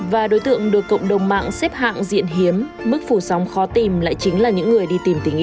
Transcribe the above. và đối tượng được cộng đồng mạng xếp hạng diện hiếm mức phủ sóng khó tìm lại chính là những người đi tìm tình